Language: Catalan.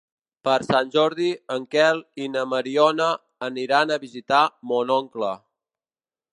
Per Sant Jordi en Quel i na Mariona aniran a visitar mon oncle.